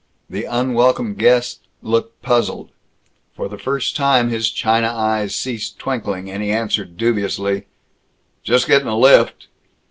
The unwelcome guest looked puzzled. For the first time his china eyes ceased twinkling; and he answered dubiously: "Just gettin' a lift."